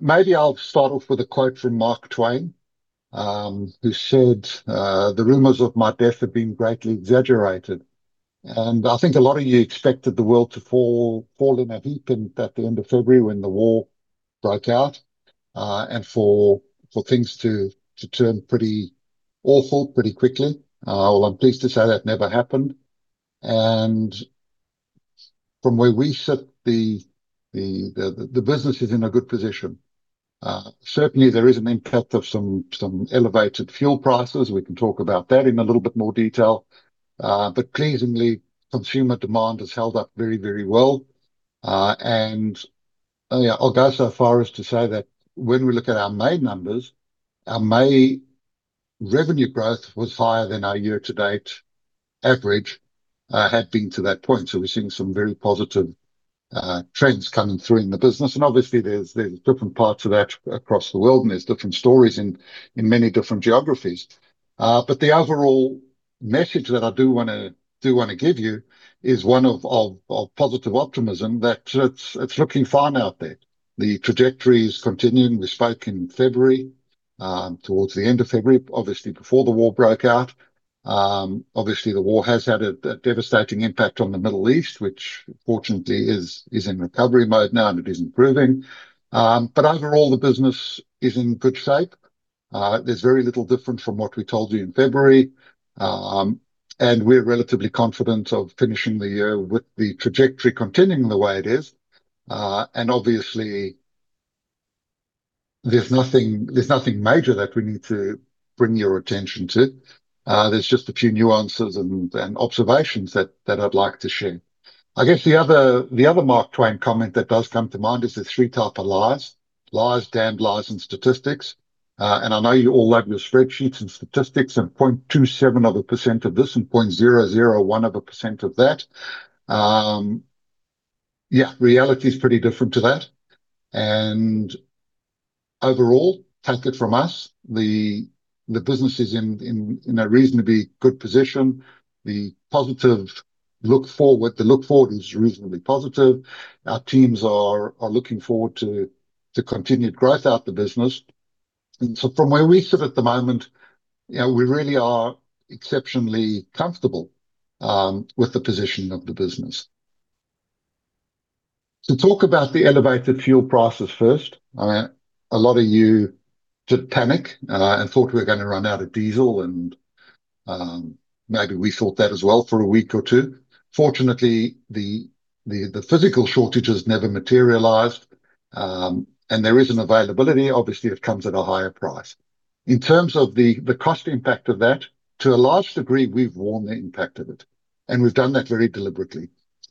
Maybe I'll start off with a quote from Mark Twain, who said, "The rumors of my death have been greatly exaggerated." I think a lot of you expected the world to fall in a heap at the end of February when the war broke out, and for things to turn pretty awful pretty quickly. I'm pleased to say that never happened. From where we sit, the business is in a good position. There is an impact of some elevated fuel prices. We can talk about that in a little bit more detail. Pleasingly, consumer demand has held up very well. I'll go so far as to say that when we look at our May numbers, our May revenue growth was higher than our year-to-date average had been to that point. We're seeing some very positive trends coming through in the business, and obviously there's different parts of that across the world, and there's different stories in many different geographies. The overall message that I do want to give you is one of positive optimism that it's looking fine out there. The trajectory is continuing. We spoke in February, towards the end of February, obviously before the war broke out. Obviously, the war has had a devastating impact on the Middle East, which fortunately is in recovery mode now, and it is improving. Overall, the business is in good shape. There's very little different from what we told you in February. We're relatively confident of finishing the year with the trajectory continuing the way it is. Obviously, there's nothing major that we need to bring your attention to. There's just a few nuances and observations that I'd like to share. I guess the other Mark Twain comment that does come to mind is the 3 type of lies. Lies, damned lies, and statistics. I know you all love your spreadsheets and statistics, 0.27% of this, and 0.001% of that. Yeah, reality's pretty different to that. Overall, take it from us, the business is in a reasonably good position. The look forward is reasonably positive. Our teams are looking forward to continued growth out the business. From where we sit at the moment, we really are exceptionally comfortable with the position of the business. To talk about the elevated fuel prices first. A lot of you did panic and thought we were going to run out of diesel and maybe we thought that as well for a week or two. Fortunately, the physical shortages never materialized. There is an availability. Obviously, it comes at a higher price. In terms of the cost impact of that, to a large degree, we've worn the impact of it, and we've done that very deliberately.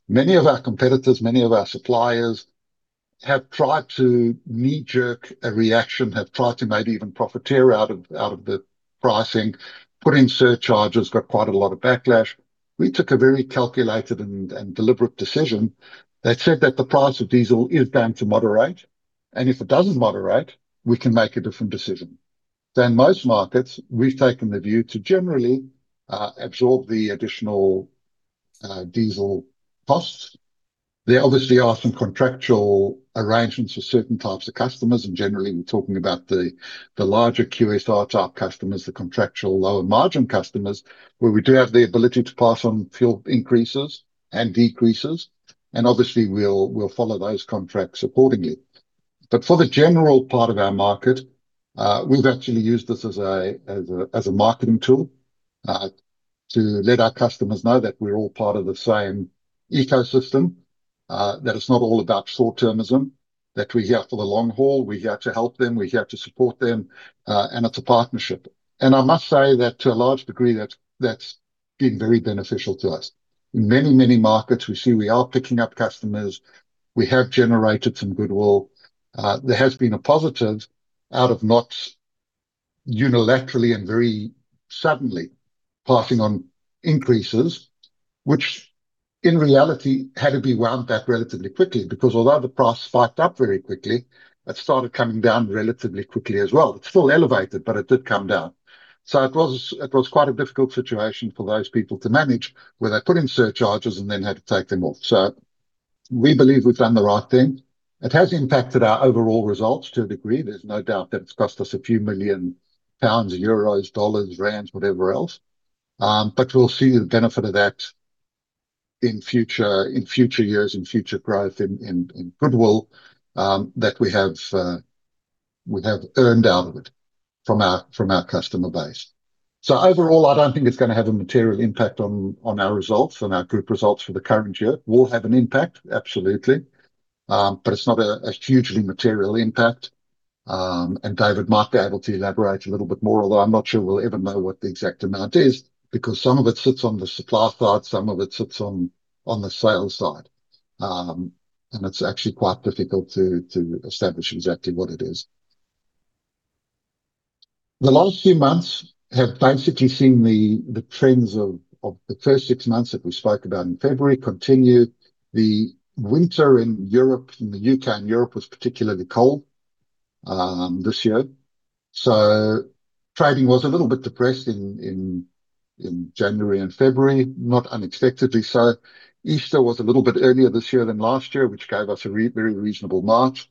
Many of our competitors, many of our suppliers have tried to knee-jerk a reaction, have tried to maybe even profiteer out of the pricing, put in surcharges, got quite a lot of backlash. We took a very calculated and deliberate decision that said that the price of diesel is going to moderate, and if it doesn't moderate, we can make a different decision. In most markets, we've taken the view to generally absorb the additional diesel costs. There obviously are some contractual arrangements for certain types of customers, and generally we're talking about the larger QSR-type customers, the contractual lower margin customers, where we do have the ability to pass on fuel increases and decreases, and obviously, we'll follow those contracts accordingly. But for the general part of our market, we've actually used this as a marketing tool, to let our customers know that we're all part of the same ecosystem, that it's not all about short-termism, that we're here for the long haul. We're here to help them, we're here to support them, and it's a partnership. And I must say that to a large degree, that's been very beneficial to us. In many markets, we see we are picking up customers. We have generated some goodwill. There has been a positive out of not unilaterally and very suddenly passing on increases, which in reality had to be wound back relatively quickly, because although the price spiked up very quickly, it started coming down relatively quickly as well. It's still elevated, it did come down. It was quite a difficult situation for those people to manage, where they put in surcharges and then had to take them off. We believe we've done the right thing. It has impacted our overall results to a degree. There's no doubt that it's cost us a few million GBP, EUR, USD, ZAR, whatever else. We'll see the benefit of that in future years, in future growth, in goodwill, that we have earned out of it from our customer base. Overall, I don't think it's going to have a material impact on our results and our group results for the current year. Will have an impact, absolutely. It's not a hugely material impact. David might be able to elaborate a little bit more, although I'm not sure we'll ever know what the exact amount is, because some of it sits on the supply side, some of it sits on the sales side. It's actually quite difficult to establish exactly what it is. The last few months have basically seen the trends of the first six months that we spoke about in February continue. The winter in the U.K. and Europe was particularly cold this year. Trading was a little bit depressed in January and February, not unexpectedly so. Easter was a little bit earlier this year than last year, which gave us a very reasonable March.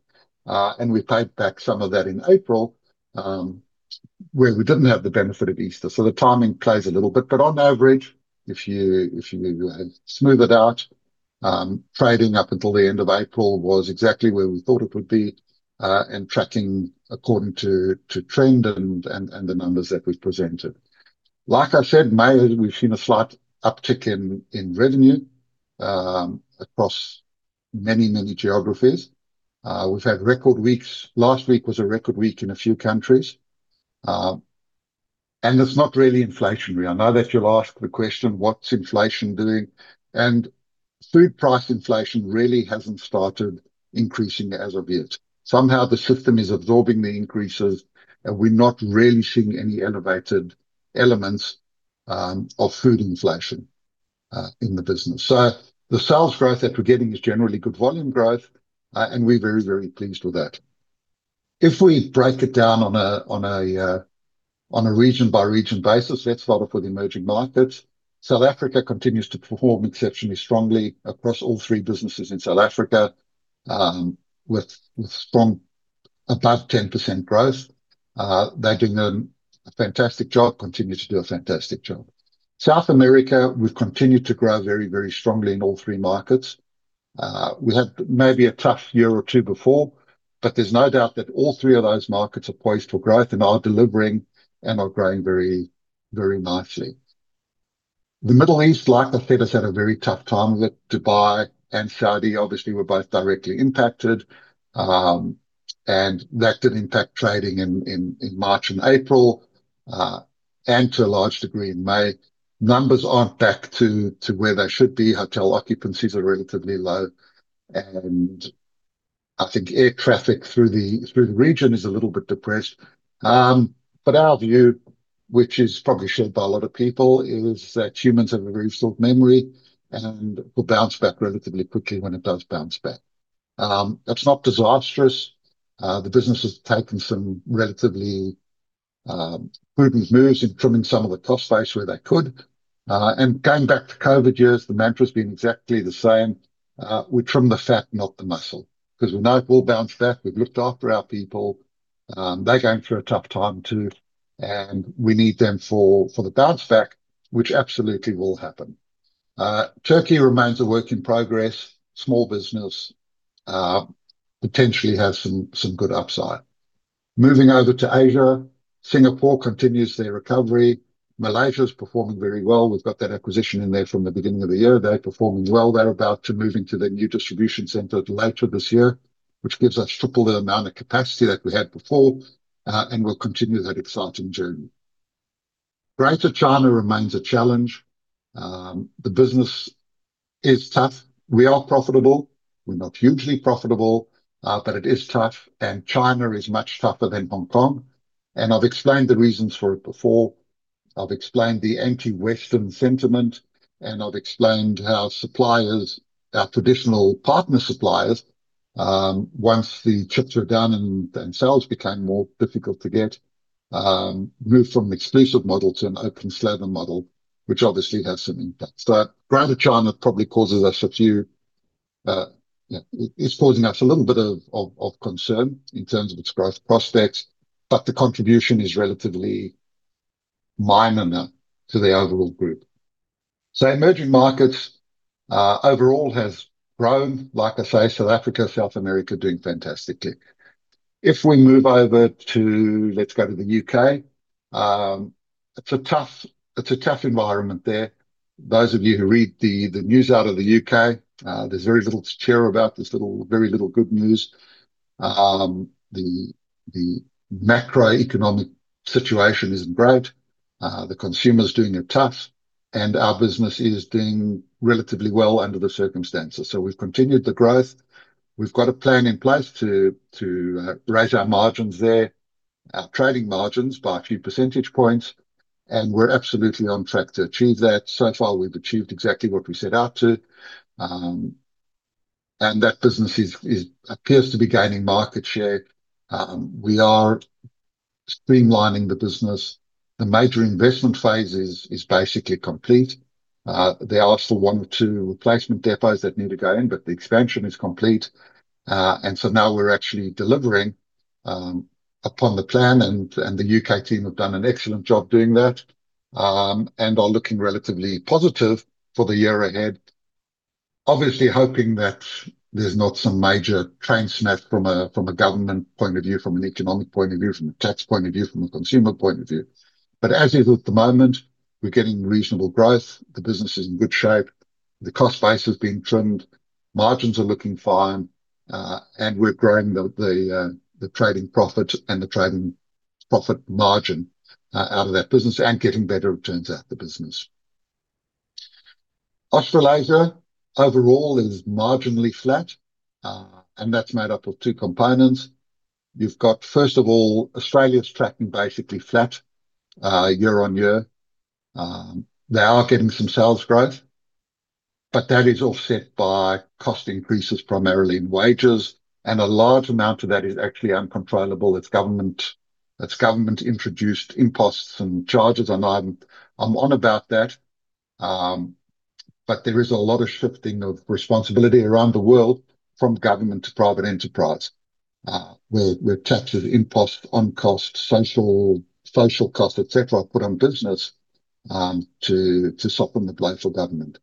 We paid back some of that in April, where we didn't have the benefit of Easter. The timing plays a little bit. On average, if you smooth it out, trading up until the end of April was exactly where we thought it would be, and tracking according to trend and the numbers that we've presented. Like I said, May, we've seen a slight uptick in revenue across many, many geographies. We've had record weeks. Last week was a record week in a few countries. It's not really inflationary. I know that you'll ask the question, what's inflation doing? Food price inflation really hasn't started increasing as of yet. Somehow the system is absorbing the increases, and we're not really seeing any elevated elements of food inflation in the business. The sales growth that we're getting is generally good volume growth, and we're very, very pleased with that. If we break it down on a region-by-region basis, let's start off with the emerging markets. South Africa continues to perform exceptionally strongly across all three businesses in South Africa, with strong above 10% growth. They're doing a fantastic job, continue to do a fantastic job. South America, we've continued to grow very, very strongly in all three markets. We had maybe a tough year or two before, but there's no doubt that all three of those markets are poised for growth and are delivering and are growing very nicely. The Middle East, like I said, has had a very tough time with Dubai and Saudi obviously were both directly impacted. That did impact trading in March and April, and to a large degree in May. Numbers aren't back to where they should be. Hotel occupancies are relatively low, and I think air traffic through the region is a little bit depressed. Our view, which is probably shared by a lot of people, is that humans have a very short memory and will bounce back relatively quickly when it does bounce back. It's not disastrous. The business has taken some relatively prudent moves in trimming some of the cost base where they could. Going back to COVID years, the mantra's been exactly the same. We trim the fat, not the muscle. We know it will bounce back. We've looked after our people. They're going through a tough time too, and we need them for the bounce back, which absolutely will happen. Turkey remains a work in progress. Small business potentially has some good upside. Moving over to Asia, Singapore continues their recovery. Malaysia's performing very well. We've got that acquisition in there from the beginning of the year. They're performing well. They're about to move into their new distribution center later this year, which gives us triple the amount of capacity that we had before. We'll continue that exciting journey. Greater China remains a challenge. The business is tough. We are profitable. We're not hugely profitable, but it is tough, and China is much tougher than Hong Kong. I've explained the reasons for it before. I've explained the anti-Western sentiment, and I've explained how suppliers, our traditional partner suppliers, once the chips were down and sales became more difficult to get, moved from exclusive model to an open slather model, which obviously has some impact. Greater China probably causes us a little bit of concern in terms of its growth prospects, but the contribution is relatively minor now to the overall group. Emerging markets, overall, has grown. Like I say, South Africa, South America doing fantastically. If we move over to, let's go to the U.K. It's a tough environment there. Those of you who read the news out of the U.K., there's very little to cheer about. There's very little good news. The macroeconomic situation isn't great. The consumer's doing it tough, and our business is doing relatively well under the circumstances. We've continued the growth. We've got a plan in place to raise our margins there, our trading margins by a few percentage points, and we're absolutely on track to achieve that. So far, we've achieved exactly what we set out to. That business appears to be gaining market share. We are streamlining the business. The major investment phase is basically complete. There are still one or two replacement depots that need to go in, but the expansion is complete. Now we're actually delivering upon the plan, and the UK team have done an excellent job doing that, and are looking relatively positive for the year ahead. Obviously hoping that there's not some major train smash from a government point of view, from an economic point of view, from a tax point of view, from a consumer point of view. But as is at the moment, we're getting reasonable growth. The business is in good shape. The cost base has been trimmed. Margins are looking fine. We're growing the trading profit and the trading profit margin out of that business and getting better returns out the business. Australasia overall is marginally flat. That's made up of two components. You've got, first of all, Australia's tracking basically flat year-on-year. They are getting some sales growth. That is offset by cost increases primarily in wages, and a large amount of that is actually uncontrollable. It's government-introduced imposts and charges. I'm on about that. There is a lot of shifting of responsibility around the world from government to private enterprise, where taxes, imposts on costs, social costs, et cetera, are put on business to supplement local government.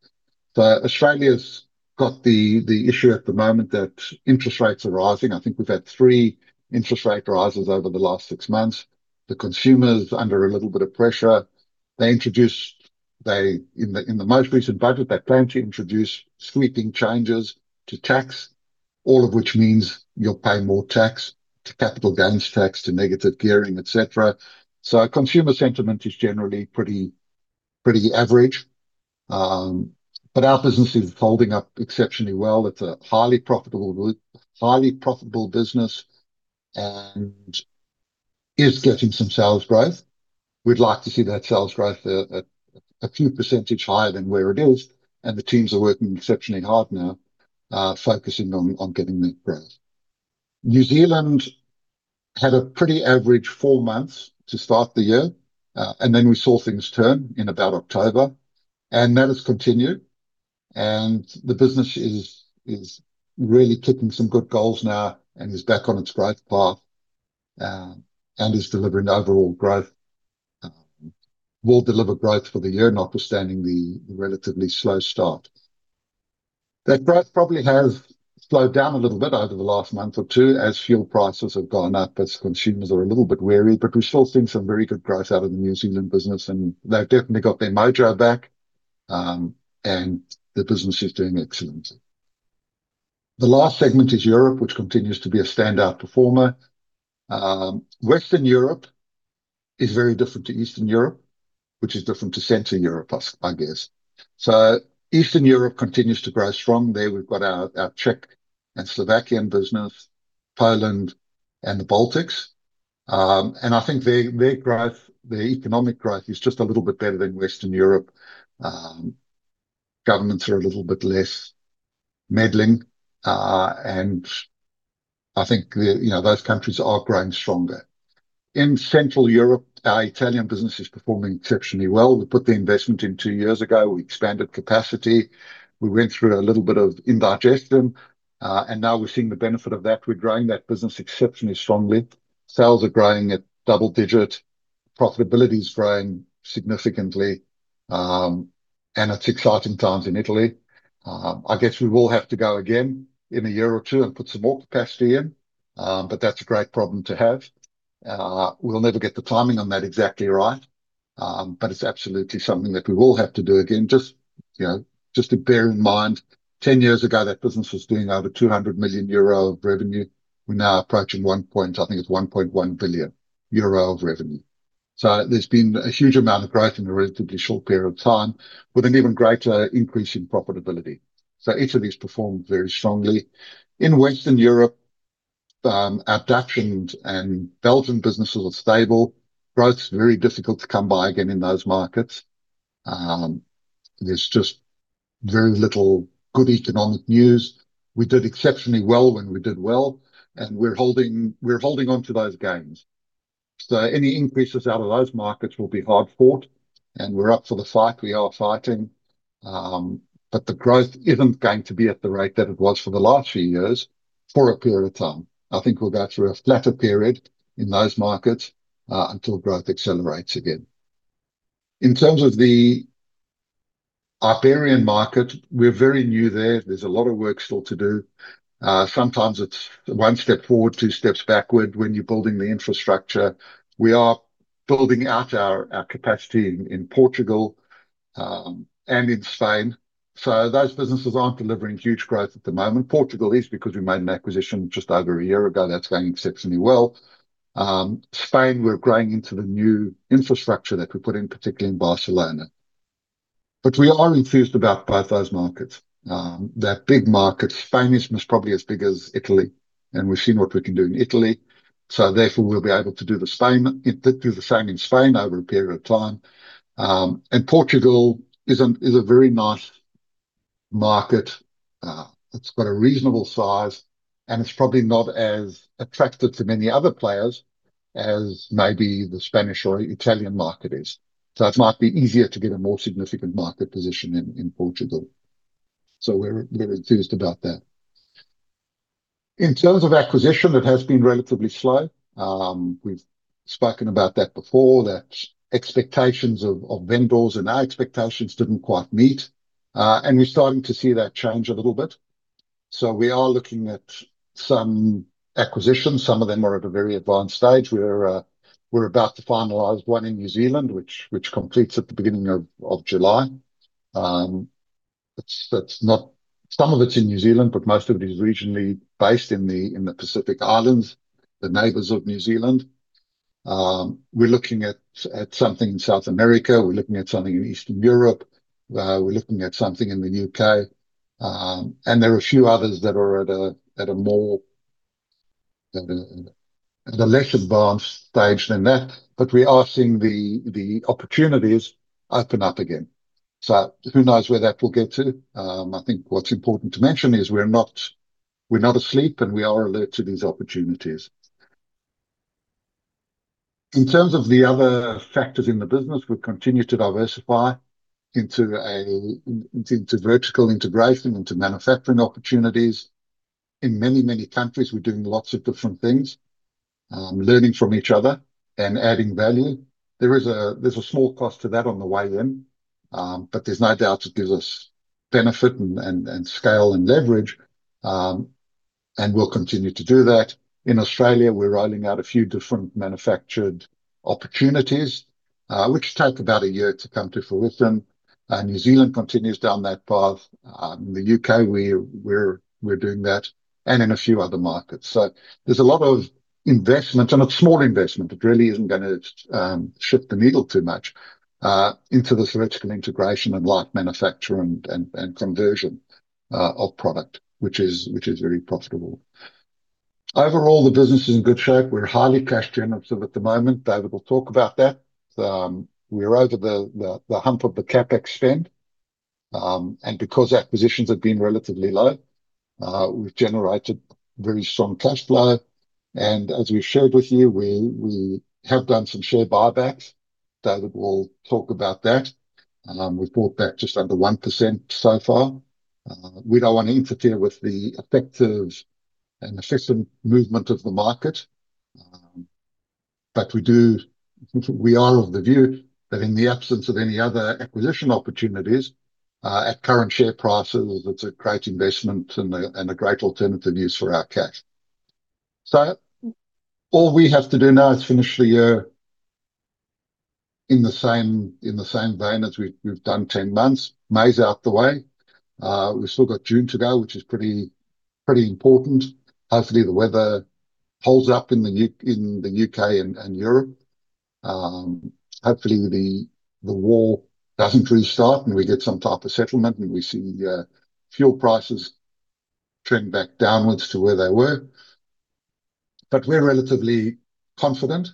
Australia's got the issue at the moment that interest rates are rising. I think we've had three interest rate rises over the last six months. The consumer's under a little bit of pressure. In the most recent budget, they plan to introduce sweeping changes to tax, all of which means you're paying more tax to capital gains tax, to negative gearing, et cetera. Consumer sentiment is generally pretty average. Our business is holding up exceptionally well. It's a highly profitable business and is getting some sales growth. We'd like to see that sales growth a few percentage higher than where it is, and the teams are working exceptionally hard now, focusing on getting that growth. New Zealand had a pretty average four months to start the year. We saw things turn in about October, and that has continued. The business is really kicking some good goals now and is back on its growth path, and is delivering overall growth. Will deliver growth for the year notwithstanding the relatively slow start. That growth probably has slowed down a little bit over the last month or two as fuel prices have gone up, as consumers are a little bit wary. We're still seeing some very good growth out of the New Zealand business, and they've definitely got their mojo back, and the business is doing excellently. The last segment is Europe, which continues to be a standout performer. Western Europe is very different to Eastern Europe, which is different to Central Europe, I guess. Eastern Europe continues to grow strong. There we've got our Czech and Slovakian business, Poland, and the Baltics. I think their economic growth is just a little bit better than Western Europe. Governments are a little bit less meddling. I think those countries are growing stronger. In Central Europe, our Italian business is performing exceptionally well. We put the investment in two years ago. We expanded capacity. We went through a little bit of indigestion. Now we're seeing the benefit of that. We're growing that business exceptionally strongly. Sales are growing at double-digit. Profitability's growing significantly. It's exciting times in Italy. I guess we will have to go again in a year or two and put some more capacity in. That's a great problem to have. We'll never get the timing on that exactly right. It's absolutely something that we will have to do again. Just to bear in mind, 10 years ago, that business was doing over 200 million euro of revenue. We're now approaching, I think it's 1.1 billion euro of revenue. There's been a huge amount of growth in a relatively short period of time with an even greater increase in profitability. Italy's performed very strongly. In Western Europe, our Dutch and Belgian businesses are stable. Growth's very difficult to come by again in those markets. There's just very little good economic news. We did exceptionally well when we did well, and we're holding onto those gains. Any increases out of those markets will be hard-fought, and we're up for the fight. We are fighting. The growth isn't going to be at the rate that it was for the last few years, for a period of time. I think we'll go through a flatter period in those markets, until growth accelerates again. In terms of the Iberian market, we're very new there. There's a lot of work still to do. Sometimes it's one step forward, two steps backward when you're building the infrastructure. We are building out our capacity in Portugal, and in Spain. Those businesses aren't delivering huge growth at the moment. Portugal is because we made an acquisition just over a year ago that's going exceptionally well. Spain, we're growing into the new infrastructure that we put in, particularly in Barcelona. We are enthused about both those markets. They're big markets. Spain is most probably as big as Italy, and we've seen what we can do in Italy, so therefore, we'll be able to do the same in Spain over a period of time. Portugal is a very nice market. It's got a reasonable size, and it's probably not as attractive to many other players as maybe the Spanish or Italian market is. It might be easier to get a more significant market position in Portugal. We're enthused about that. In terms of acquisition, it has been relatively slow. We've spoken about that before, that expectations of vendors and our expectations didn't quite meet. We're starting to see that change a little bit. We are looking at some acquisitions. Some of them are at a very advanced stage. We're about to finalize one in New Zealand, which completes at the beginning of July. Some of it's in New Zealand, but most of it is regionally based in the Pacific Islands, the neighbors of New Zealand. We're looking at something in South America. We're looking at something in Eastern Europe. We're looking at something in the U.K. There are a few others that are at a more at a less advanced stage than that, but we are seeing the opportunities open up again. Who knows where that will get to? I think what's important to mention is we're not asleep and we are alert to these opportunities. In terms of the other factors in the business, we continue to diversify into vertical integration, into manufacturing opportunities. In many countries, we're doing lots of different things, learning from each other and adding value. There's a small cost to that on the way in. There's no doubt it gives us benefit and scale and leverage. We'll continue to do that. In Australia, we're rolling out a few different manufactured opportunities, which take about a year to come to fruition. New Zealand continues down that path. In the U.K., we're doing that. In a few other markets. There's a lot of investment. It's small investment that really isn't going to shift the needle too much into this vertical integration and light manufacture and conversion of product, which is very profitable. Overall, the business is in good shape. We're highly cash generative at the moment. David will talk about that. We're over the hump of the CapEx spend. Because acquisitions have been relatively low, we've generated very strong cash flow. As we've shared with you, we have done some share buybacks. David will talk about that. We've bought back just under 1% so far. We don't want to interfere with the effective and efficient movement of the market. We are of the view that in the absence of any other acquisition opportunities, at current share prices, it's a great investment and a great alternative use for our cash. All we have to do now is finish the year in the same vein as we've done 10 months. May's out the way. We've still got June to go, which is pretty important. Hopefully, the weather holds up in the U.K. and Europe. The war doesn't restart and we get some type of settlement, and we see fuel prices trend back downwards to where they were. We're relatively confident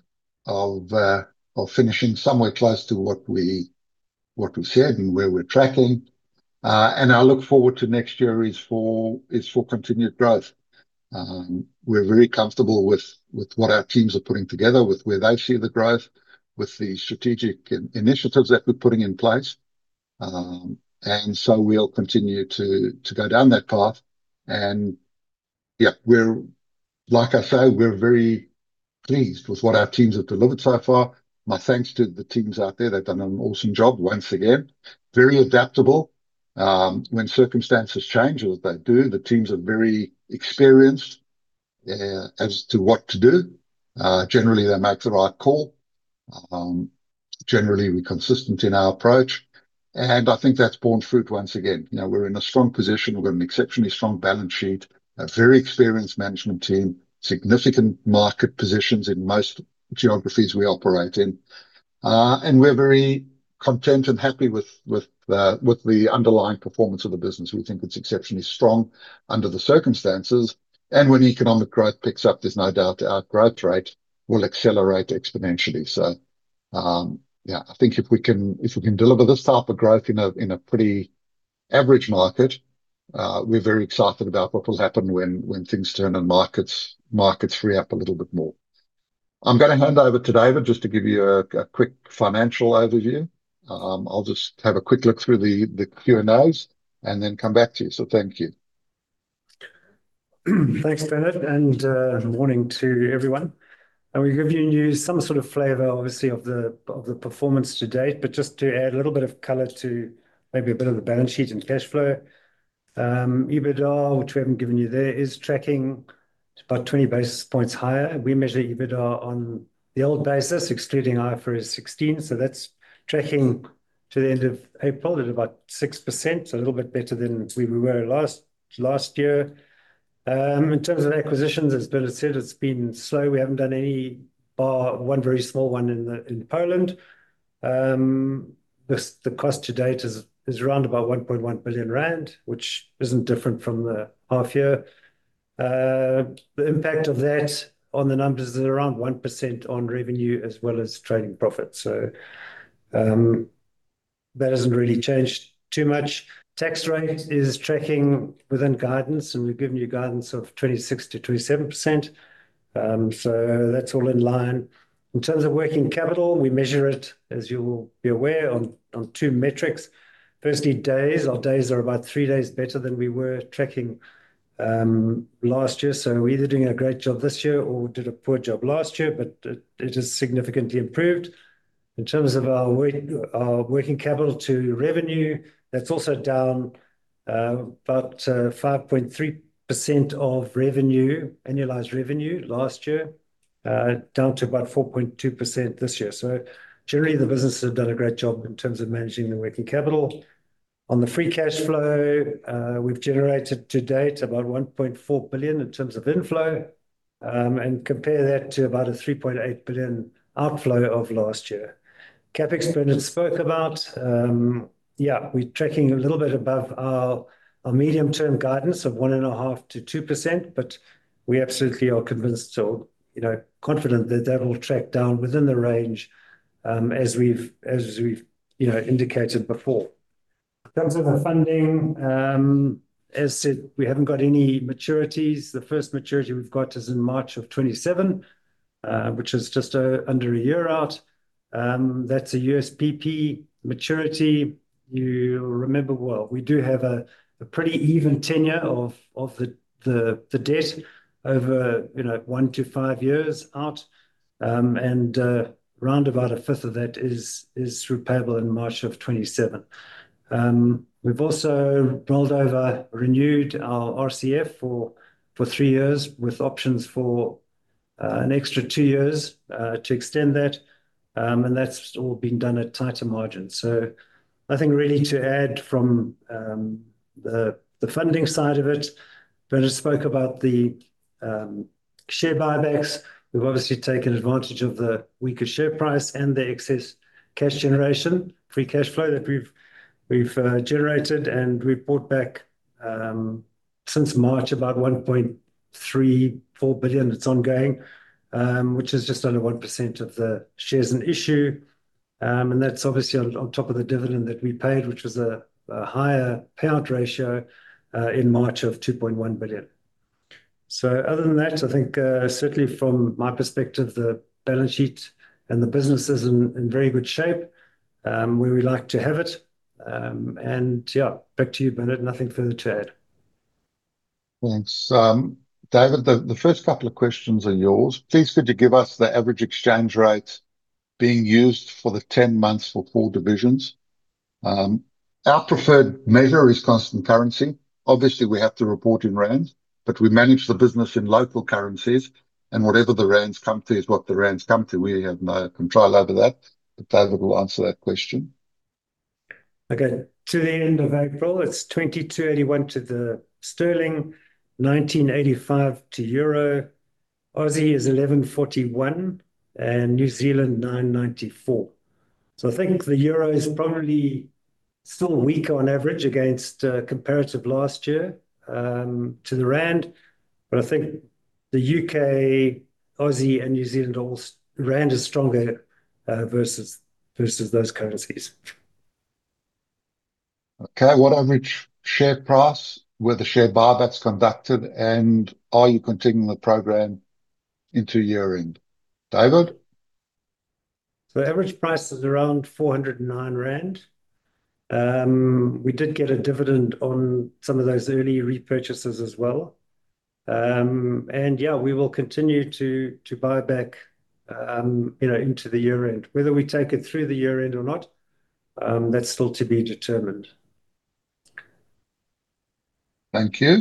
of finishing somewhere close to what we've said and where we're tracking. Our look forward to next year is for continued growth. We're very comfortable with what our teams are putting together, with where they see the growth, with the strategic initiatives that we're putting in place. We'll continue to go down that path, and yeah, like I say, we're very pleased with what our teams have delivered so far. My thanks to the teams out there. They've done an awesome job once again. Very adaptable. When circumstances change, as they do, the teams are very experienced as to what to do. Generally, they make the right call. Generally, we're consistent in our approach, and I think that's borne fruit once again. We're in a strong position. We've got an exceptionally strong balance sheet, a very experienced management team, significant market positions in most geographies we operate in. We're very content and happy with the underlying performance of the business. We think it's exceptionally strong under the circumstances. When economic growth picks up, there's no doubt our growth rate will accelerate exponentially. Yeah, I think if we can deliver this type of growth in a pretty average market, we're very excited about what will happen when things turn and markets free up a little bit more. I'm going to hand over to David just to give you a quick financial overview. I'll just have a quick look through the Q&As and then come back to you. Thank you. Thanks, Bernard, and morning to everyone. We're giving you some sort of flavor, obviously, of the performance to date. Just to add a little bit of color to maybe a bit of the balance sheet and cash flow. EBITDA, which we haven't given you there, is tracking about 20 basis points higher. We measure EBITDA on the old basis, excluding IFRS 16. That's tracking to the end of April at about 6%, a little bit better than we were last year. In terms of acquisitions, as Bernard said, it's been slow. We haven't done any, bar one very small one in Poland. The cost to date is around about 1.1 billion rand, which isn't different from the half year. The impact of that on the numbers is around 1% on revenue as well as trading profit, so that hasn't really changed too much. Tax rate is tracking within guidance, we've given you guidance of 26%-27%, that's all in line. In terms of working capital, we measure it, as you will be aware, on two metrics. Firstly, days. Our days are about three days better than we were tracking last year. We're either doing a great job this year or we did a poor job last year, it has significantly improved. In terms of our working capital to revenue, that's also down about 5.3% of revenue, annualized revenue last year, down to about 4.2% this year. Generally, the business has done a great job in terms of managing the working capital. On the free cash flow, we've generated to date about 1.4 billion in terms of inflow, compare that to about a 3.8 billion outflow of last year. CapEx Bernard spoke about. We're tracking a little bit above our medium-term guidance of 1.5%-2%, but we absolutely are convinced or confident that that will track down within the range, as we've indicated before. In terms of the funding, as said, we haven't got any maturities. The first maturity we've got is in March of 2027, which is just under one year out. That's a USPP maturity. You remember well. We do have a pretty even tenor of the debt over one to five years out. Round about a fifth of that is through payable in March of 2027. We've also rolled over, renewed our RCF for three years with options for an extra two years to extend that. That's all been done at tighter margins. Nothing really to add from the funding side of it. Bernard spoke about the share buybacks. We've obviously taken advantage of the weaker share price and the excess cash generation, free cash flow that we've generated, and we've bought back, since March, about 1.34 billion. It's ongoing, which is just under 1% of the shares on issue. That's obviously on top of the dividend that we paid, which was a higher payout ratio in March of 2.1 billion. Other than that, I think, certainly from my perspective, the balance sheet and the business is in very good shape, where we like to have it. Yeah, back to you, Bernard. Nothing further to add. Thanks. David, the first couple of questions are yours. Please could you give us the average exchange rates being used for the 10 months for full divisions? Our preferred measure is constant currency. Obviously, we have to report in ZAR, we manage the business in local currencies, whatever the ZAR come to is what the ZAR come to. We have no control over that. David will answer that question. Okay. To the end of April, it's 22.81 to the GBP, ZAR 19.85 to EUR, AUD is 11.41, and NZD 9.94. I think the EUR is probably still weaker on average against comparative last year to the ZAR. I think the U.K., AUD, and NZD ZAR is stronger versus those currencies. What average share price were the share buybacks conducted, and are you continuing the program into year-end? David? Average price is around 409 rand. We did get a dividend on some of those early repurchases as well. Yeah, we will continue to buy back into the year-end. Whether we take it through the year-end or not, that's still to be determined. Thank you.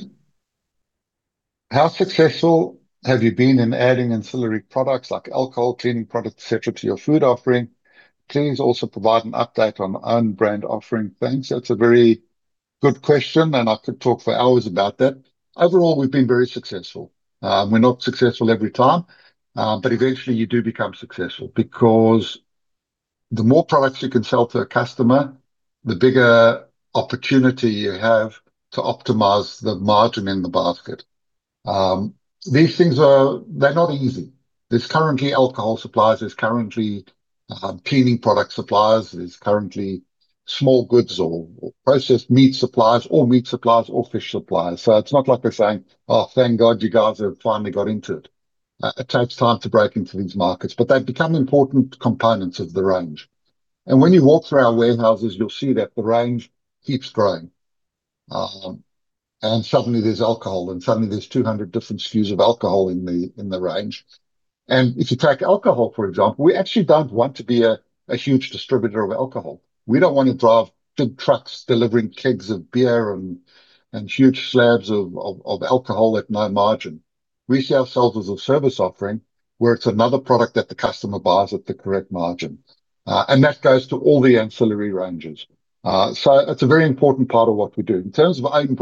How successful have you been in adding ancillary products like alcohol, cleaning products, et cetera, to your food offering? Please also provide an update on own brand offering. Thanks. That's a very good question, and I could talk for hours about that. Overall, we've been very successful. We're not successful every time. Eventually you do become successful because the more products you can sell to a customer, the bigger opportunity you have to optimize the margin in the basket. They're not easy. There's currently alcohol suppliers, there's currently cleaning product suppliers, there's currently small goods or processed meat suppliers or meat suppliers or fish suppliers. It's not like we're saying, "Oh, thank God you guys have finally got into it." It takes time to break into these markets, but they've become important components of the range. When you walk through our warehouses, you'll see that the range keeps growing. Suddenly there's alcohol, and suddenly there's 200 different SKUs of alcohol in the range. If you take alcohol, for example, we actually don't want to be a huge distributor of alcohol. We don't want to drive big trucks delivering kegs of beer and huge slabs of alcohol at no margin. We see ourselves as a service offering, where it's another product that the customer buys at the correct margin. That goes to all the ancillary ranges. That's a very important part of what we do. In terms of own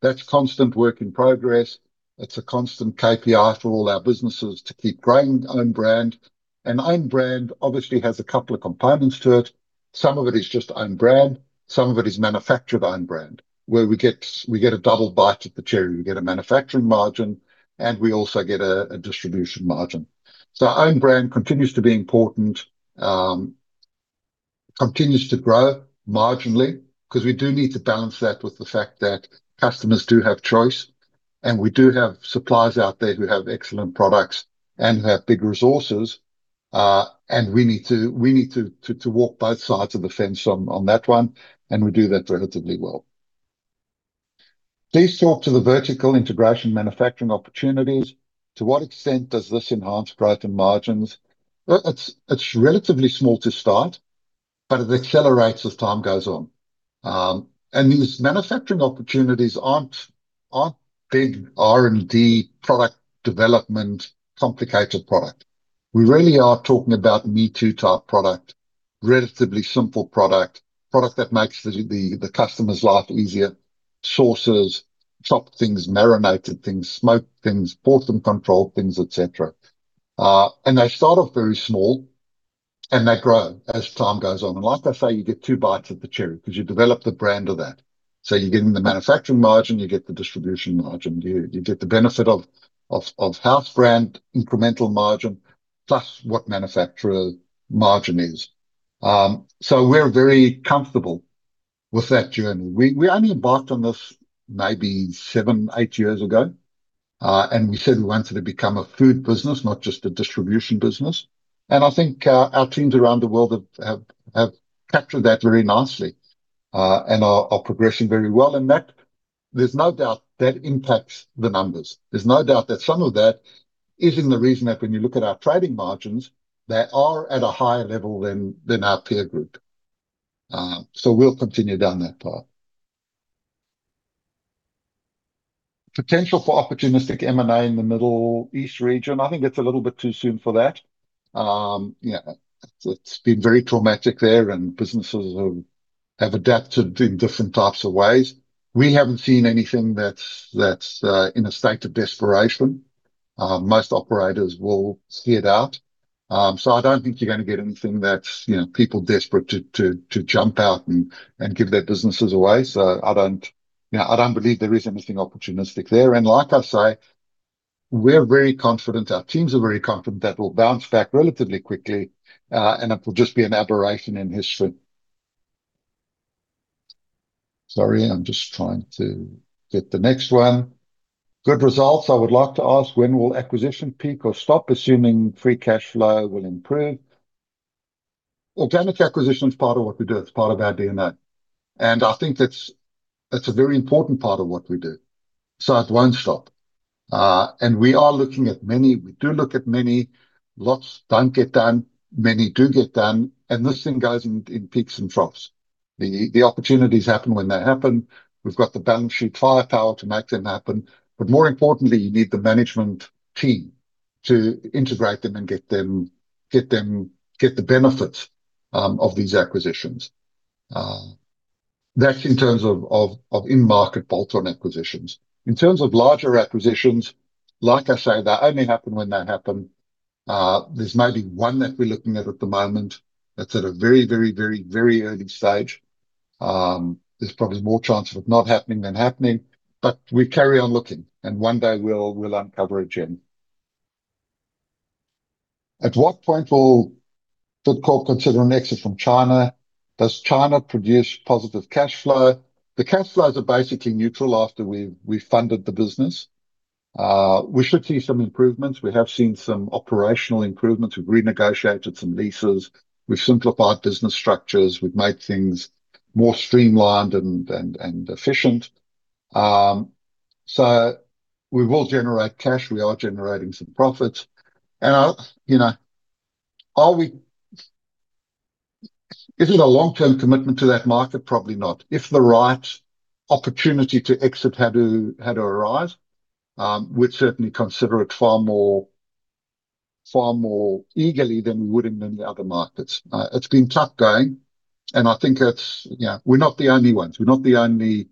brand, that's constant work in progress. It's a constant KPI for all our businesses to keep growing own brand. Own brand obviously has a couple of components to it. Some of it is just own brand, some of it is manufactured own brand, where we get a double bite at the cherry. We get a manufacturing margin, and we also get a distribution margin. Our own brand continues to be important, continues to grow marginally, because we do need to balance that with the fact that customers do have choice, and we do have suppliers out there who have excellent products and who have big resources. We need to walk both sides of the fence on that one, and we do that relatively well. Please talk to the vertical integration manufacturing opportunities. To what extent does this enhance growth and margins? Well, it's relatively small to start, but it accelerates as time goes on. These manufacturing opportunities aren't big R&D product development, complicated product. We really are talking about me-too-type product, relatively simple product that makes the customer's life easier. Sauces, chopped things, marinated things, smoked things, portion-controlled things, et cetera. They start off very small and they grow as time goes on. Like I say, you get two bites at the cherry because you develop the brand of that. You're getting the manufacturing margin, you get the distribution margin. You get the benefit of house brand incremental margin, plus what manufacturer margin is. We're very comfortable with that journey. We only embarked on this maybe seven, eight years ago. We said we wanted to become a food business, not just a distribution business. I think our teams around the world have captured that very nicely, and are progressing very well. There's no doubt that impacts the numbers. There's no doubt that some of that is in the reason that when you look at our trading margins, they are at a higher level than our peer group. We'll continue down that path. Potential for opportunistic M&A in the Middle East region. I think it's a little bit too soon for that. It's been very traumatic there and businesses have adapted in different types of ways. We haven't seen anything that's in a state of desperation. Most operators will see it out. I don't think you're going to get anything people desperate to jump out and give their businesses away. I don't believe there is anything opportunistic there. Like I say, we're very confident, our teams are very confident that we'll bounce back relatively quickly, and it will just be an aberration in history. Sorry, I'm just trying to get the next one. Good results. I would like to ask, when will acquisition peak or stop, assuming free cash flow will improve? Organic acquisition is part of what we do. It's part of our DNA, and I think that's a very important part of what we do. It won't stop. We are looking at many. We do look at many. Lots don't get done, many do get done, and this thing goes in peaks and troughs. The opportunities happen when they happen. We've got the balance sheet firepower to make them happen. More importantly, you need the management team to integrate them and get the benefits of these acquisitions. That's in terms of in-market bolt-on acquisitions. In terms of larger acquisitions, like I say, they only happen when they happen. There's maybe one that we're looking at at the moment that's at a very, very, very, very early stage. There's probably more chance of it not happening than happening. We carry on looking, and one day we'll uncover a gem. At what point will Bidcorp consider an exit from China? Does China produce positive cash flow? The cash flows are basically neutral after we funded the business. We should see some improvements. We have seen some operational improvements. We've renegotiated some leases. We've simplified business structures. We've made things more streamlined and efficient. We will generate cash. We are generating some profits. Is it a long-term commitment to that market? Probably not. If the right opportunity to exit had to arise, we'd certainly consider it far more eagerly than we would in any other markets. It's been tough going, and I think we're not the only ones. We're not the only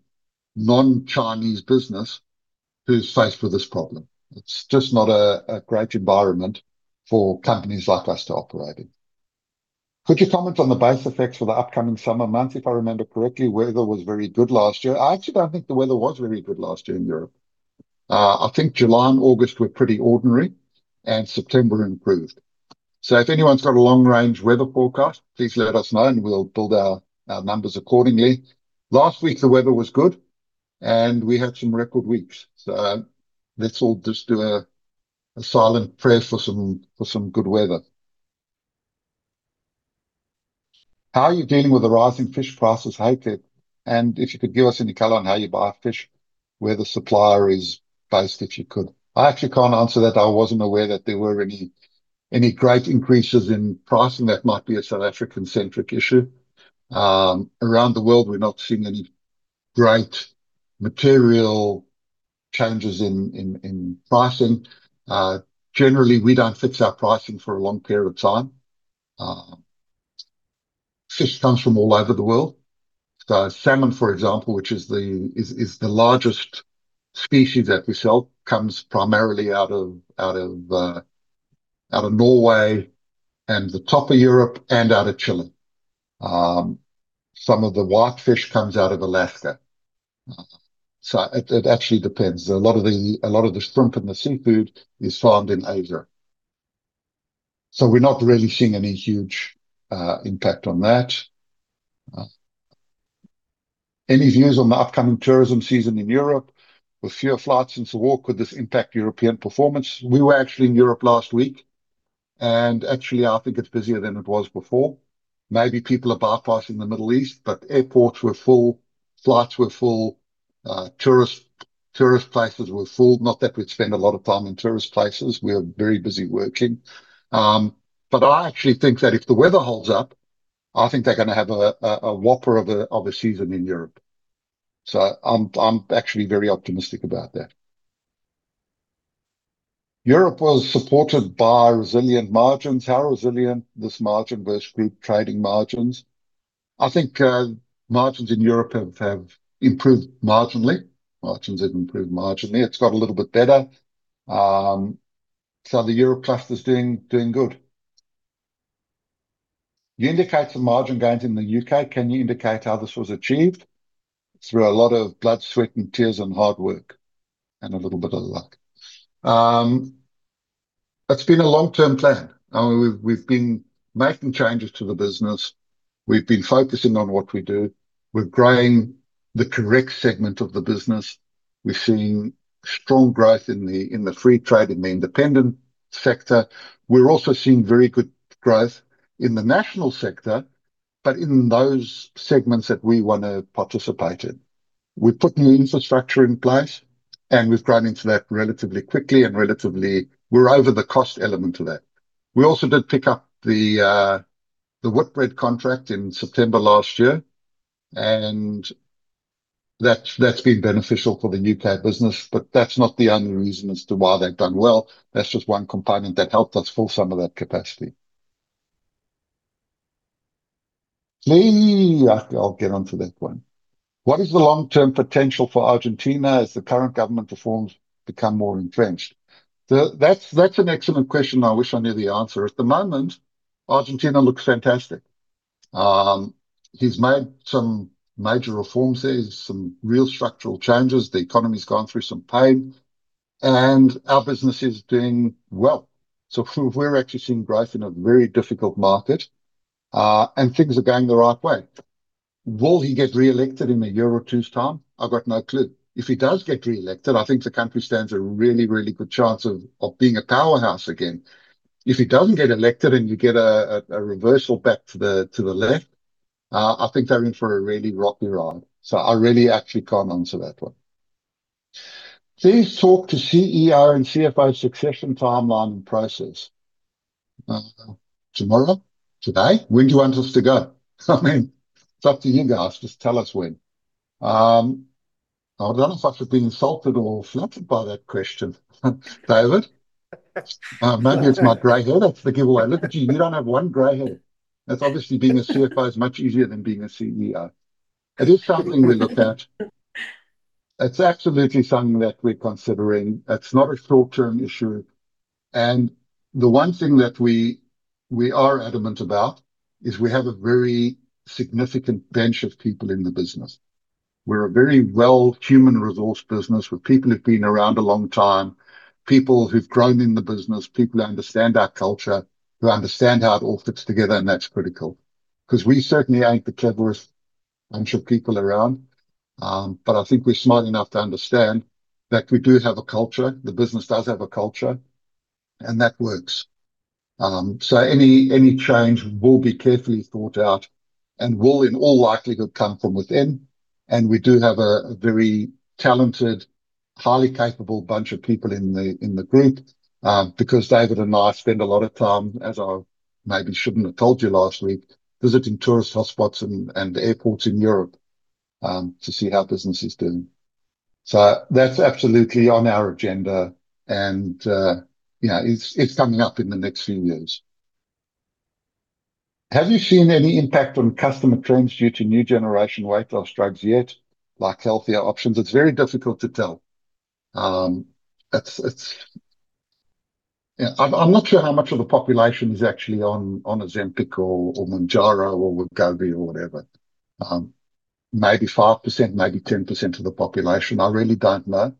non-Chinese business who's faced with this problem. It's just not a great environment for companies like us to operate in. Could you comment on the base effects for the upcoming summer months? If I remember correctly, weather was very good last year. I actually don't think the weather was very good last year in Europe. I think July and August were pretty ordinary, and September improved. If anyone's got a long-range weather forecast, please let us know and we'll build our numbers accordingly. Last week the weather was good, and we had some record weeks. Let's all just do a silent prayer for some good weather. How are you dealing with the rising fish prices, Heidi? If you could give us any color on how you buy fish, where the supplier is based, if you could. I actually can't answer that. I wasn't aware that there were any great increases in pricing. That might be a South African-centric issue. Around the world, we're not seeing any great material changes in pricing. Generally, we don't fix our pricing for a long period of time. Fish comes from all over the world. Salmon, for example, which is the largest species that we sell, comes primarily out of Norway and the top of Europe and out of Chile. Some of the white fish comes out of Alaska. It actually depends. A lot of the shrimp and the seafood is farmed in Asia. We're not really seeing any huge impact on that. Any views on the upcoming tourism season in Europe? With fewer flights since the war, could this impact European performance? We were actually in Europe last week, and actually I think it's busier than it was before. Maybe people are bypassing the Middle East. Airports were full, flights were full, tourist places were full. Not that we'd spend a lot of time in tourist places. We are very busy working. I actually think that if the weather holds up, I think they're going to have a whopper of a season in Europe. I'm actually very optimistic about that. Europe was supported by resilient margins. How resilient this margin versus group trading margins? I think margins in Europe have improved marginally. Margins have improved marginally. It's got a little bit better. The Europe cluster's doing good. You indicate some margin gains in the U.K., can you indicate how this was achieved? Through a lot of blood, sweat, and tears, and hard work, and a little bit of luck. It's been a long-term plan. We've been making changes to the business. We've been focusing on what we do. We're growing the correct segment of the business. We're seeing strong growth in the free trade, in the independent sector. We're also seeing very good growth in the national sector, but in those segments that we want to participate in. We put new infrastructure in place, and we've grown into that relatively quickly. We're over the cost element of that. We also did pick up the Whitbread contract in September last year, and that's been beneficial for the U.K. business. That's not the only reason as to why they've done well. That's just one component that helped us fill some of that capacity. I'll get on to that one. What is the long-term potential for Argentina as the current government reforms become more entrenched? That's an excellent question, and I wish I knew the answer. At the moment, Argentina looks fantastic. He's made some major reforms there, some real structural changes. The economy's gone through some pain, and our business is doing well. We're actually seeing growth in a very difficult market, and things are going the right way. Will he get reelected in a year or two's time? I've got no clue. If he does get reelected, I think the country stands a really, really good chance of being a powerhouse again. If he doesn't get elected and you get a reversal back to the left, I think they're in for a really rocky ride. I really actually can't answer that one. Please talk to CEO and CFO succession timeline process. Tomorrow? Today? When do you want us to go? I mean, it's up to you guys. Just tell us when. I don't know if I should be insulted or flattered by that question, David. Maybe it's my gray hair that's the giveaway. Look at you don't have one gray hair. That's obviously being a CFO is much easier than being a CEO. It is something we looked at. It's absolutely something that we're considering. It's not a short-term issue. The one thing that we are adamant about is we have a very significant bench of people in the business. We're a very well human resource business with people who've been around a long time, people who've grown in the business, people who understand our culture, who understand how it all fits together, and that's critical. We certainly ain't the cleverest bunch of people around, but I think we're smart enough to understand that we do have a culture, the business does have a culture, and that works. Any change will be carefully thought out and will in all likelihood come from within. We do have a very talented, highly capable bunch of people in the group, because David and I spend a lot of time, as I maybe shouldn't have told you last week, visiting tourist hotspots and airports in Europe to see how business is doing. That's absolutely on our agenda and it's coming up in the next few years. Have you seen any impact on customer trends due to new generation weight loss drugs yet, like healthier options? It's very difficult to tell. I'm not sure how much of the population is actually on Ozempic or Mounjaro or Wegovy or whatever. Maybe 5%, maybe 10% of the population. I really don't know.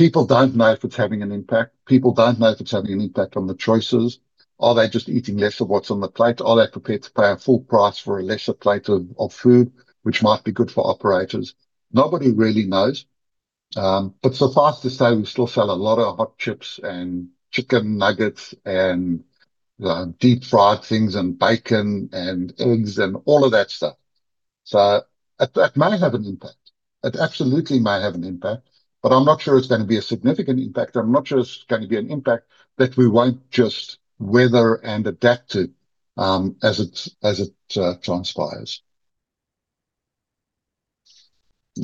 People don't know if it's having an impact. People don't know if it's having an impact on the choices. Are they just eating less of what's on the plate? Are they prepared to pay a full price for a lesser plate of food which might be good for operators? Nobody really knows. So far to say, we still sell a lot of hot chips and chicken nuggets and deep-fried things and bacon and eggs, and all of that stuff. It may have an impact. It absolutely may have an impact, but I'm not sure it's going to be a significant impact. I'm not sure it's going to be an impact that we won't just weather and adapt to as it transpires.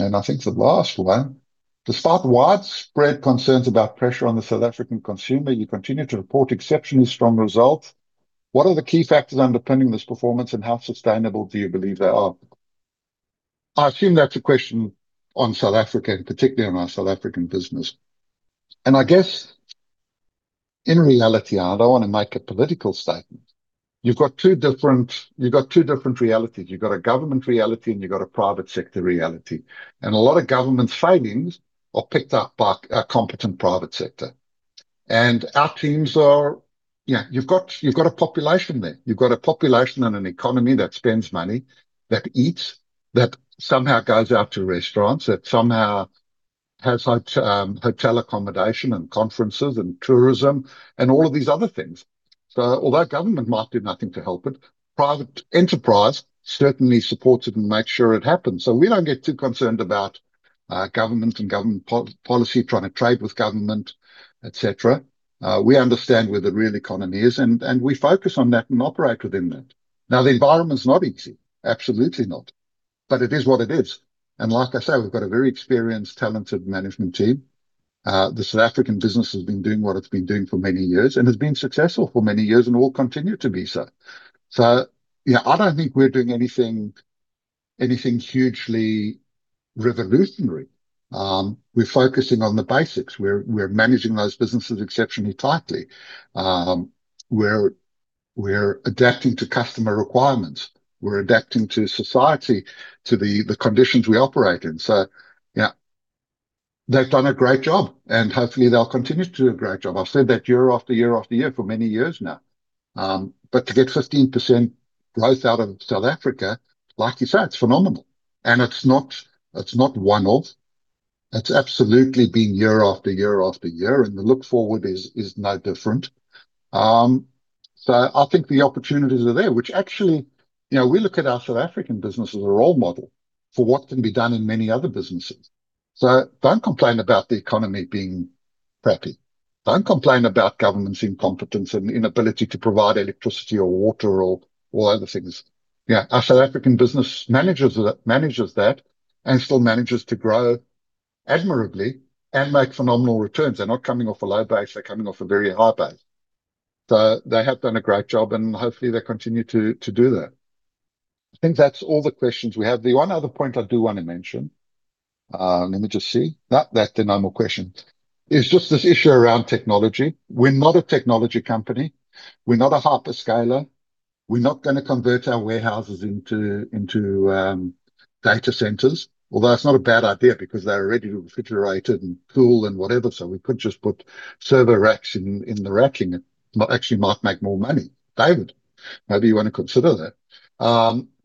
I think the last one. Despite widespread concerns about pressure on the South African consumer, you continue to report exceptionally strong results. What are the key factors underpinning this performance, and how sustainable do you believe they are? I assume that's a question on South Africa, and particularly on our South African business. I guess in reality, I don't want to make a political statement. You've got two different realities. You've got a government reality, and you've got a private sector reality. A lot of government failings are picked up by a competent private sector. You've got a population there. You've got a population and an economy that spends money, that eats, that somehow goes out to restaurants, that somehow has hotel accommodation and conferences and tourism, and all of these other things. Although government might do nothing to help it, private enterprise certainly supports it and makes sure it happens. We don't get too concerned about government and government policy, trying to trade with government, et cetera. We understand where the real economy is, and we focus on that and operate within that. The environment's not easy, absolutely not. It is what it is. Like I say, we've got a very experienced, talented management team. The South African business has been doing what it's been doing for many years, and has been successful for many years, and will continue to be so. Yeah, I don't think we're doing anything hugely revolutionary. We're focusing on the basics. We're managing those businesses exceptionally tightly. We're adapting to customer requirements. We're adapting to society, to the conditions we operate in. Yeah, they've done a great job, and hopefully they'll continue to do a great job. I've said that year after year after year for many years now. To get 15% growth out of South Africa, like you say, it's phenomenal. It's not one-off. It's absolutely been year after year after year, and the look-forward is no different. I think the opportunities are there, which actually, we look at our South African business as a role model for what can be done in many other businesses. Don't complain about the economy being crappy. Don't complain about government's incompetence and inability to provide electricity or water or other things. Yeah, our South African business manages that, and still manages to grow admirably and make phenomenal returns. They're not coming off a low base, they're coming off a very high base. They have done a great job, and hopefully they continue to do that. I think that's all the questions we have. The one other point I do want to mention. Let me just see. Nope, that's the no more questions. It's just this issue around technology. We're not a technology company. We're not a hyperscaler. We're not going to convert our warehouses into data centers, although it's not a bad idea because they're already refrigerated and cool and whatever, so we could just put server racks in the racking and actually might make more money. David, maybe you want to consider that.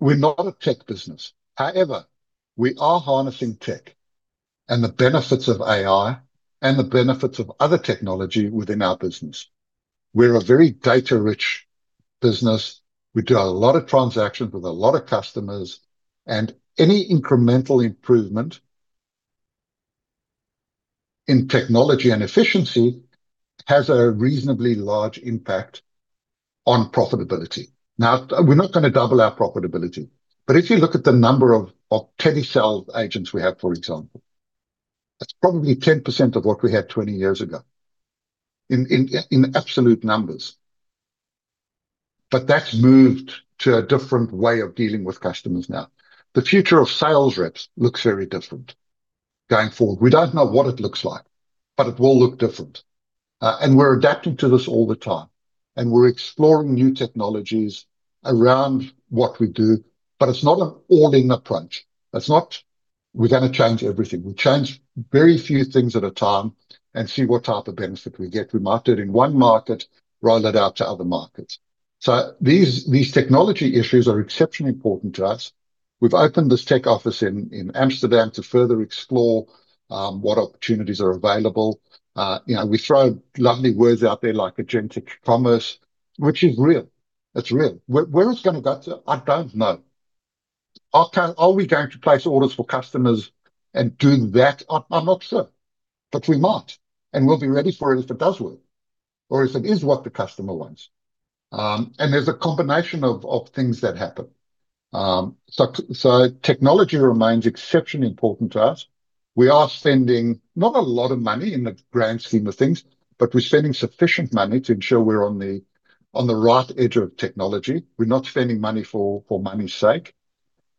We're not a tech business. However, we are harnessing tech and the benefits of AI and the benefits of other technology within our business. We're a very data-rich business. We do a lot of transactions with a lot of customers, and any incremental improvement in technology and efficiency has a reasonably large impact on profitability. Now, we're not going to double our profitability, but if you look at the number of telesales agents we have, for example, it's probably 10% of what we had 20 years ago in absolute numbers. That's moved to a different way of dealing with customers now. The future of sales reps looks very different going forward. We don't know what it looks like, but it will look different. We're adapting to this all the time, and we're exploring new technologies around what we do. It's not an all-in approach. It's not we're going to change everything. We change very few things at a time and see what type of benefit we get. We market in one market, roll it out to other markets. These technology issues are exceptionally important to us. We've opened this tech office in Amsterdam to further explore what opportunities are available. We throw lovely words out there like agentic commerce, which is real. It's real. Where it's going to go to, I don't know. Are we going to place orders for customers and do that? I'm not sure, but we might, and we'll be ready for it if it does work or if it is what the customer wants. There's a combination of things that happen. Technology remains exceptionally important to us. We are spending not a lot of money in the grand scheme of things, but we're spending sufficient money to ensure we're on the right edge of technology. We're not spending money for money's sake.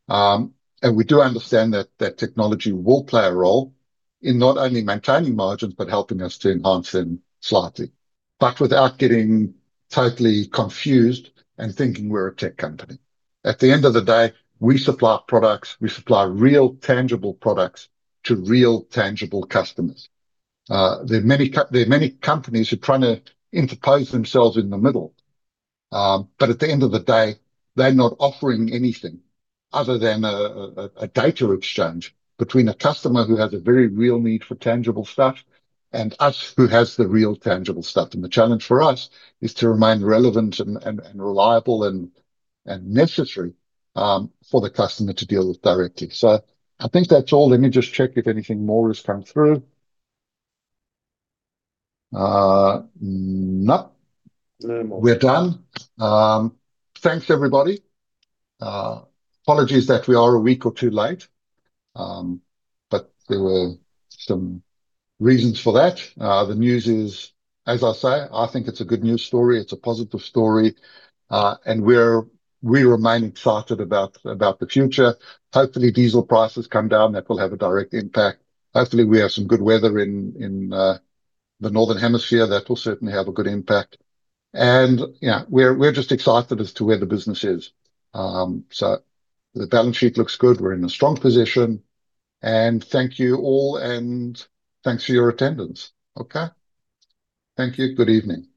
We do understand that technology will play a role in not only maintaining margins, but helping us to enhance them slightly, but without getting totally confused and thinking we're a tech company. At the end of the day, we supply products, we supply real, tangible products to real, tangible customers. There are many companies who are trying to interpose themselves in the middle. At the end of the day, they're not offering anything other than a data exchange between a customer who has a very real need for tangible stuff and us, who has the real tangible stuff. The challenge for us is to remain relevant and reliable and necessary for the customer to deal with directly. I think that's all. Let me just check if anything more has come through. Nope. No more. We're done. Thanks, everybody. Apologies that we are a week or two late, but there were some reasons for that. The news is, as I say, I think it's a good news story. It's a positive story. We remain excited about the future. Hopefully, diesel prices come down. That will have a direct impact. Hopefully, we have some good weather in the northern hemisphere. That will certainly have a good impact. Yeah, we're just excited as to where the business is. The balance sheet looks good. We're in a strong position. Thank you all, and thanks for your attendance. Okay. Thank you. Good evening.